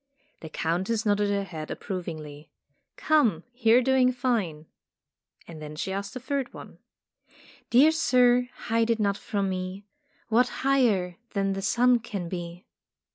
The Countess nodded her head ap provingly. "Come, you are doing fine,'' and then she asked a third one: "Dear sir, hide it not from me What higher than the sun can be?"